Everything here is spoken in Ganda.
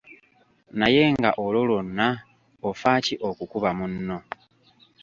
Naye nga olwo lwonna ofa ki okukuba munno?